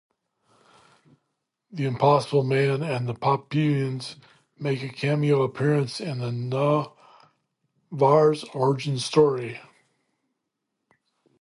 The Impossible Man and the Poppupians make a cameo appearance in Noh-Varr's origin story.